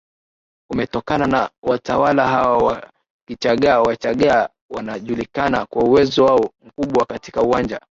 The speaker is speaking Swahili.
umetokana na watawala hawa wa KichaggaWachagga wanajulikana kwa uwezo wao mkubwa katika uwanja